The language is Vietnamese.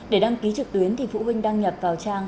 để đăng ký trực tuyến thì phụ huynh đăng nhập vào trang